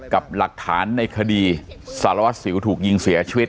กับหลักฐานในคดีสารวัตรสิวถูกยิงเสียชีวิต